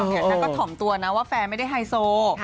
นางก็ถ่อมตัวนะว่าแฟนไม่ได้ไฮโซ